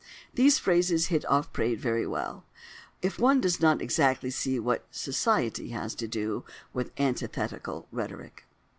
These phrases hit off Praed very well—if one does not exactly see what "Society" has to do with antithetical rhetoric.